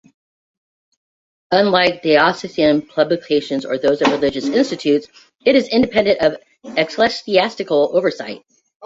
Unlike diocesan publications or those of religious institutes, it is independent of ecclesiastical oversight.